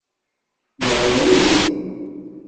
Neḍmen-it.